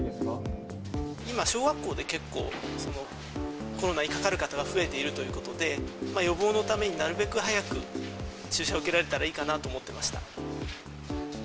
今、小学校で結構、コロナにかかる方が増えているということで、予防のために、なるべく早く注射を受けられたらいいかなと思ってました。